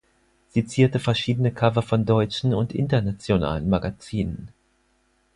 Sie zierte verschiedene Cover von deutschen und internationalen Magazinen.